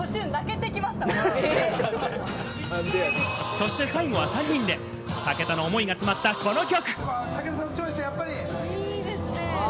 そして最後は３人で武田の思いが詰まったこの曲。